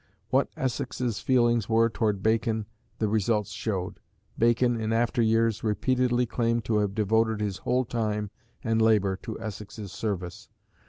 What Essex's feelings were towards Bacon the results showed. Bacon, in after years, repeatedly claimed to have devoted his whole time and labour to Essex's service.